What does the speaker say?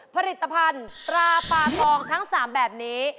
ผลิตภัณฑ์ปลาปลาทองทั้ง๓แบบนี้